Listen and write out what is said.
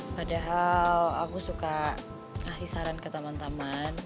padahal aku suka kasih saran ke teman teman